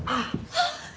あっ！